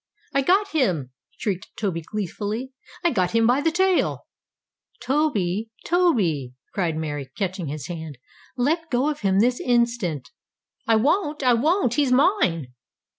"I got him!" shrieked Toby gleefully. "I got him by the tail." "Toby! Toby!" cried Mary, catching his hand. "Let go of him this instant." "I won't! I won't! He's mine!"